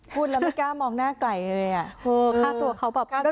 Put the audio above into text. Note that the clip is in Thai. พูดแล้วไม่กล้ามองหน้าไกลเลยอ่ะค่าตัวเขาแบบ